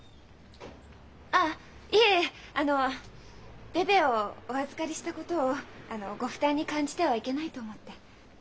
あっいえあのベベをお預かりしたことをあのご負担に感じてはいけないと思って。